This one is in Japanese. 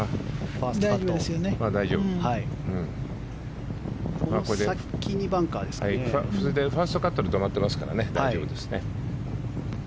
ファーストカットで止まっていますから大丈夫ですね。